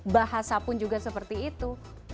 bahasa pun juga seperti itu